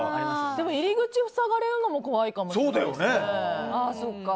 でも、入り口が塞がれるのも怖いかもしれないですね。